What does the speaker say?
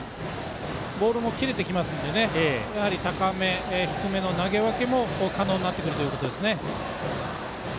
ボールも切れてきますので高め、低めの投げ分けも可能になってくるということです。